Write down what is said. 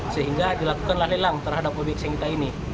sehingga dilakukan lalilang terhadap objek sengitai ini